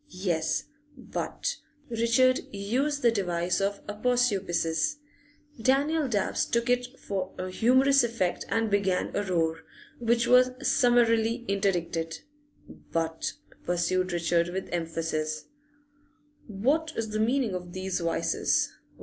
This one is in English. Yes, but Richard used the device of aposiopesis; Daniel Dabbs took it for a humorous effect and began a roar, which was summarily interdicted. 'But,' pursued Richard with emphasis, 'what is the meaning of these vices?